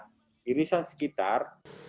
daerah irisan sekitar